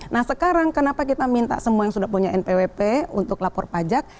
nah sekarang kenapa kita minta semua yang sudah punya npwp untuk lapor pajak